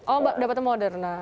oh dapetnya moderna